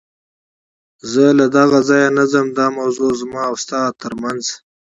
زه له دغه ځایه نه ځم، دا موضوع زما او ستا تر منځ.